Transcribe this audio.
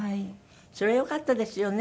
それはよかったですよね。